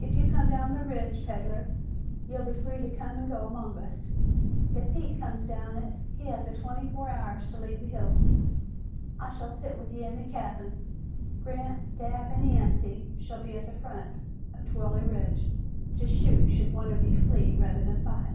If you come down the ridge, peddler, ye'll be free to come an' go amongst us. If Pete comes down it, he has a twenty four hours to leave the hills. I shall sit with ye in the cabin. Grant, Dabb an' Yancey shall be at the foot of Trilley Ridge, to shoot should one of ye flee rather than fight."